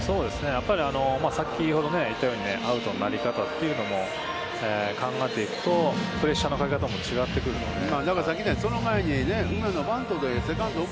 やっぱり先ほど言ったように、アウトになり方というのも、考えていくと、プレッシャーのかけ方も違ってくるのでね。